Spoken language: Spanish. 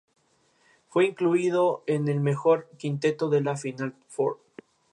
Fue incluido en el mejor quinteto de la Final Four.